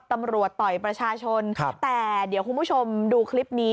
ต่อยประชาชนแต่เดี๋ยวคุณผู้ชมดูคลิปนี้